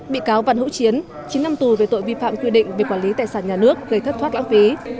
bị cáo văn hữu chiến chín năm tù về tội vi phạm quy định về quản lý tài sản nhà nước gây thất thoát lãng phí